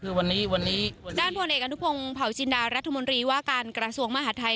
ด้านพวงเอกอันทุกภงเผาจินดารัฐมนตรีว่าการกระทรวงมหาทัย